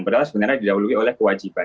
padahal sebenarnya didahului oleh kewajiban